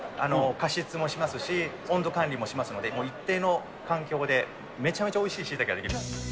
加湿もしますし、温度管理もしますので、もう一定の環境で、めちゃめちゃおいしい、しいたけが出来る。